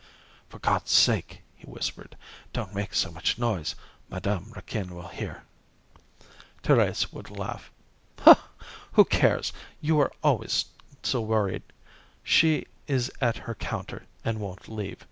"For God's sake," he whispered, "don't make so much noise. Madame Raquin will hear." Thérèse would laugh. "Who cares, you are always so worried. She is at her counter and won't leave.